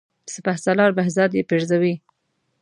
سپه سالار بهزاد یې پرزوي.